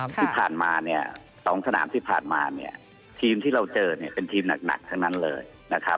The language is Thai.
ที่ผ่านมา๒สนามที่ผ่านมาทีมที่เราเจอเป็นทีมหนักทั้งนั้นเลยนะครับ